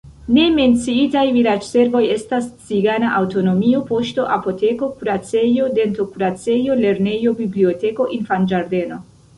Ne menciitaj vilaĝservoj estas cigana aŭtonomio, poŝto, apoteko, kuracejo, dentokuracejo, lernejo, biblioteko, infanĝardeno.